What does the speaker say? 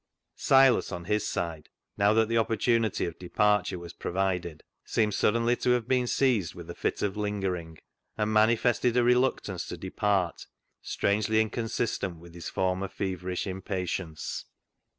Silas, on his side, now that the opportunity of departure was provided, seemed suddenly to I have been seized with a fit of lingering, and manifested a reluctance to depart strangely inconsistent with his former feverish impa tience.